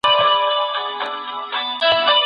د کورنۍ لپاره وخت ځانګړی کړئ.